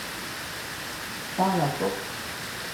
par la porte.